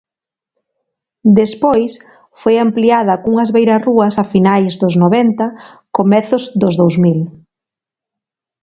Despois foi ampliada cunhas beirarrúas a finais dos noventa, comezos dos dous mil.